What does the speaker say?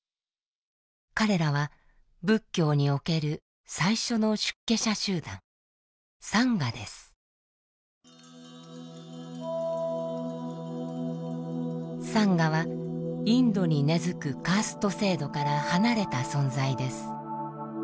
彼らは仏教における最初の出家者集団サンガはインドに根づくカースト制度から離れた存在です。